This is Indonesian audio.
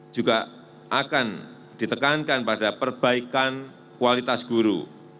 juga akan ditekankan pada perbaikan kualitas guru